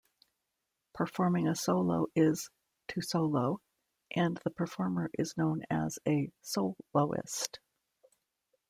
Performing a solo is "to solo", and the performer is known as a "soloist".